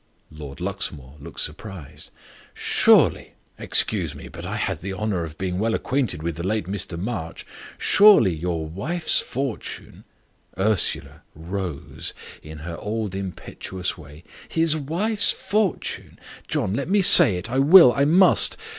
Lord Luxmore looked surprised. "Surely excuse me, but I had the honour of being well acquainted with the late Mr. March surely, your wife's fortune " Ursula rose, in her old impetuous way "His wife's fortune! (John, let me say it! I will, I must!)